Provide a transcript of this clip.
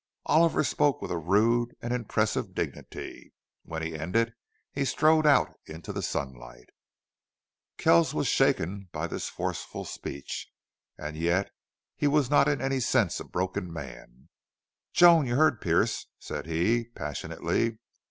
Oliver spoke with a rude and impressive dignity. When he ended he strode out into the sunlight. Kells was shaken by this forceful speech, yet he was not in any sense a broken man. "Joan you heard Pearce," said he, passionately.